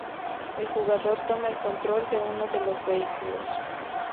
El jugador toma el control de uno de los vehículos.